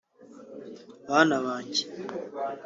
“Bana banjye